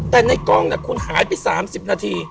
แต่ในกล้องคุณหายไป๓๐นาที